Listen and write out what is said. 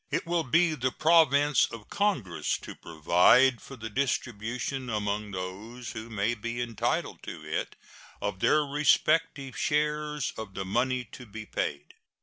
It will be the province of Congress to provide for the distribution among those who may be entitled to it of their respective shares of the money to be paid.